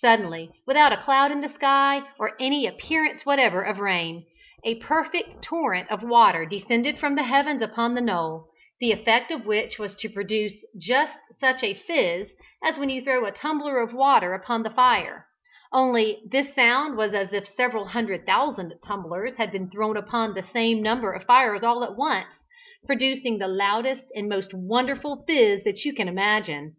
Suddenly, without a cloud in the sky or any appearance whatever of rain, a perfect torrent of water descended from the heavens upon the knoll, the effect of which was to produce just such a "fiz" as when you throw a tumbler of water upon the fire, only this sound was as if several hundred thousand tumblers had been thrown upon the same number of fires all at once, producing the loudest and most wonderful "fiz" that you can imagine.